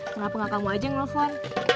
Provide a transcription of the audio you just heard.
kenapa gak kamu aja yang nelfon